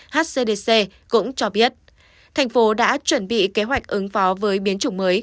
hcdc cũng cho biết thành phố đã chuẩn bị kế hoạch ứng phó với biến chủng mới